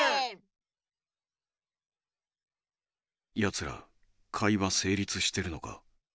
やつら会話せいりつしてるのか？